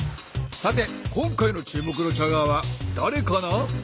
さて今回の注目のチャガーはだれかな？